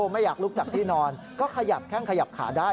ไม่อยากลุกจากที่นอนก็ขยับแข้งขยับขาได้